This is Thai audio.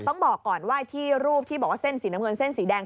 ต้องบอกก่อนว่าที่รูปที่บอกว่าเส้นสีน้ำเงินเส้นสีแดง